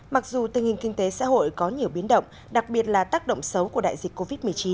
mặc dù tình hình kinh tế xã hội có nhiều biến động đặc biệt là tác động xấu của đại dịch covid một mươi chín